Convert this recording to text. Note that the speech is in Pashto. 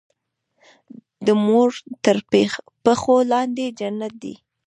د مور تر پښو لاندي جنت دی.